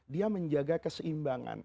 dia menjaga keseimbangan